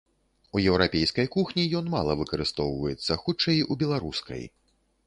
У еўрапейскай кухні ён мала выкарыстоўваецца, хутчэй, у беларускай.